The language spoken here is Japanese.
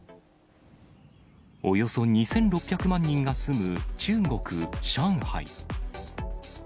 およそ２６００万人が住む、中国・上海。